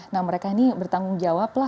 nah mereka ini bertanggung jawab lah